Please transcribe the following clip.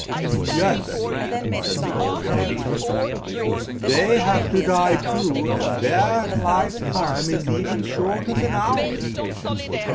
" Yes," said the old lady, " they have to die too, and their life time is even shorter than ours.